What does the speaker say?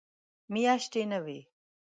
میاشتې نه وي.